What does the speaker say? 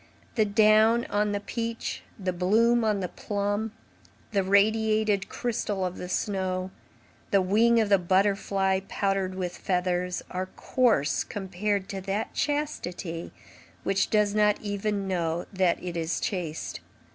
The down on the peach, the bloom on the plum, the radiated crystal of the snow, the wing of the butterfly powdered with feathers, are coarse compared to that chastity which does not even know that it is chaste.